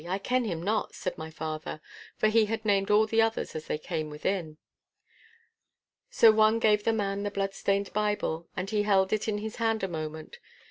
I ken him not,' said my father, for he had named all the others as they came within. So one gave the man the blood stained Bible, and he held it in his hand a moment.